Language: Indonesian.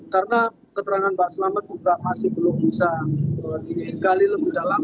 karena keterangan mbak selamet juga masih belum bisa diingali lebih dalam